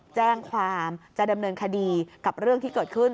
แจ้งความจะดำเนินคดีกับเรื่องที่เกิดขึ้น